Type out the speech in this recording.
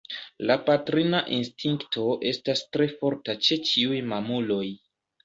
La patrina instinkto estas tre forta ĉe ĉiuj mamuloj.